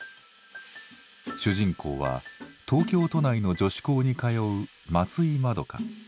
主人公は東京都内の女子高に通う松井まどか。